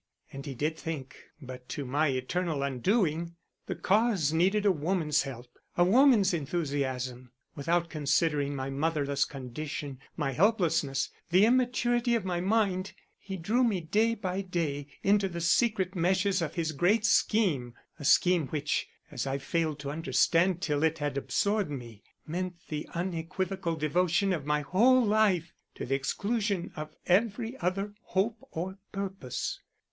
And he did think but to my eternal undoing. The Cause needed a woman's help, a woman's enthusiasm. Without considering my motherless condition, my helplessness, the immaturity of my mind, he drew me day by day into the secret meshes of his great scheme, a scheme which, as I failed to understand till it had absorbed me, meant the unequivocal devotion of my whole life to the exclusion of every other hope or purpose.